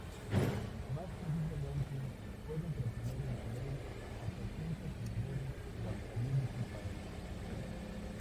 Más precisamente, pueden proponer una ley hasta cinco senadores o hasta diez diputados.